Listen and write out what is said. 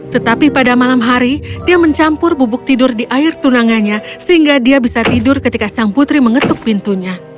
tetapi pada malam hari dia mencampur bubuk tidur di air tunangannya sehingga dia bisa tidur ketika sang putri mengetuk pintunya